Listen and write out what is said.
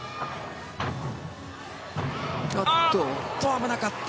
危なかった。